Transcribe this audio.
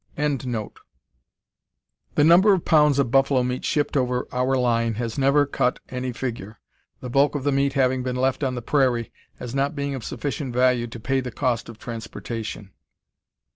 ] "The number of pounds of buffalo meat shipped over our line has never cut any figure, the bulk of the meat having been left on the prairie, as not being of sufficient value to pay the cost of transportation.